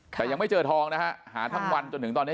แต่ยังไม่เจอทองนะฮะหาทั้งวันจนถึงตอนนี้